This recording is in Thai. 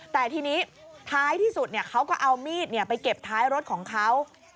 แต่ทีนี้ท้ายที่สุดเขาก็เอามีดไปเก็บท้ายรถของเขา